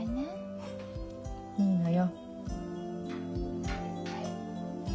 いいのよ。